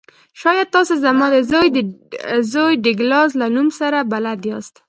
شاید تاسو زما د زوی ډګلاس له نوم سره بلد یاست